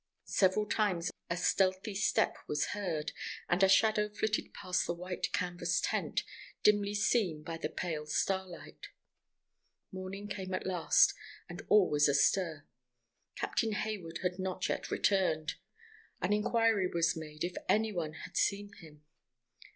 Several times a stealthy step was heard, and a shadow flitted past the white canvas tent, dimly seen by the pale starlight. Morning came at last, and all was astir. Captain Hayward had not yet returned. The inquiry was made if any one had seen him.